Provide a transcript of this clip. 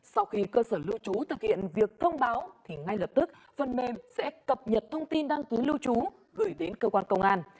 sau khi cơ sở lưu trú thực hiện việc thông báo thì ngay lập tức phần mềm sẽ cập nhật thông tin đăng ký lưu trú gửi đến cơ quan công an